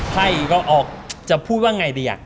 ไพ่ก็ออกจะพูดว่าไงดี